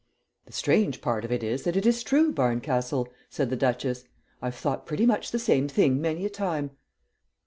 "The strange part of it is that it is true, Barncastle," said the duchess. "I've thought pretty much the same thing many a time."